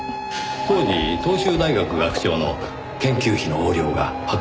当時東修大学学長の研究費の横領が発覚しました。